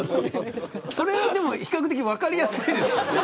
それは比較的分かりやすいですよ。